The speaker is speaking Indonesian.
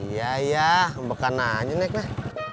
iya iya bekana aja naik lah